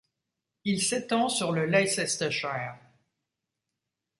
Il s'étend sur le Leicestershire.